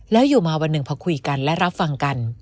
แล้วอยู่มาวันหนึ่งพอคุยกันและรับฟังกัน